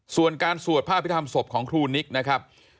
ส่วนการสวดพระพิธรรมศพของครูนิกนะครับ